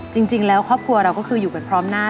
จริงแล้วครอบครัวเราก็คืออยู่กันพร้อมหน้า